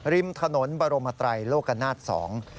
ริมถนนบรมไตรโลกนาศสอง